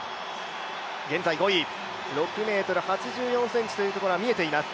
現在５位、６ｍ８４ｃｍというところが見えています。